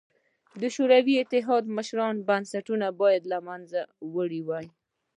د شوروي اتحاد مشرانو بنسټونه باید له منځه وړي وای